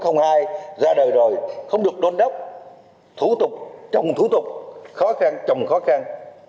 trong những đời xa đời rồi không được đôn đốc thủ tục trồng thủ tục khó khăn trồng khó khăn